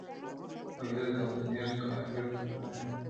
ویل دا پنیر کارګه ته نه ښایيږي؛